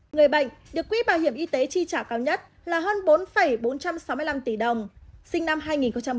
người bệnh được quỹ bảo hiểm y tế chi trả cao nhất là hơn bốn bốn trăm sáu mươi năm tỷ đồng sinh năm hai nghìn một mươi